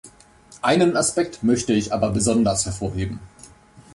Einen Aspekt möchte ich aber besonders hervorheben.